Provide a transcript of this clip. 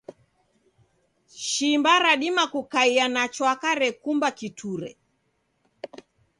Shimba radima kukaia na chwaka rekumba kiture.